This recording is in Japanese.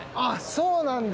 そうなんだ！